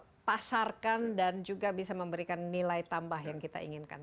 jadi kita bisa memasarkan dan juga bisa memberikan nilai tambah yang kita inginkan